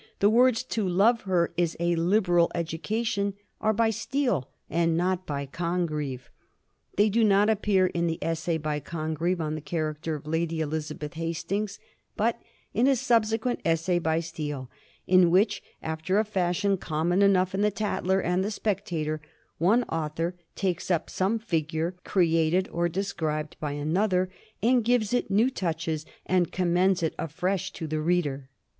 The words ^ to love her is a liberal education ' are by Steele, and not by Congreve. They do not appear in the essay by Congreve on the character of Lady Elizabeth Hastings, but in a subsequent essay by Steele, in which, after a fashion common enough in the Tatlet' and the Spectator , one author takes up some figure created or described by another, and gives it new touches and commends it afresh to the reader.